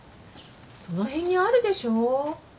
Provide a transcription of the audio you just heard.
その辺にあるでしょ。